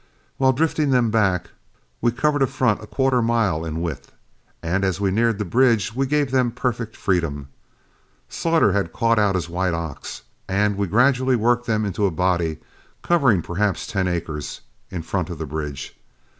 While drifting them back, we covered a front a quarter of a mile in width, and as we neared the bridge we gave them perfect freedom. Slaughter had caught out his white ox, and we gradually worked them into a body, covering perhaps ten acres, in front of the bridge.